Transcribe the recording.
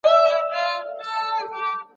يوازې په خيال کي اوسېدل انسان له عصره شاته باسي.